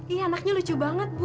ini anaknya lucu banget bu